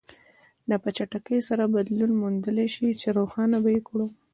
دا په چټکۍ سره بدلون موندلای شي چې روښانه به یې کړو.